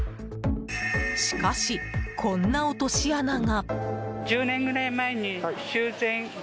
しかし、こんな落とし穴が。